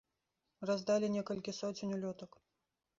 Раздалі некалькі соцень улётак.